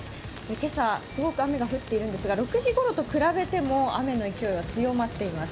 今朝、すごく雨が降っているんですが、６時ごろと比べても雨の勢いは強まっています。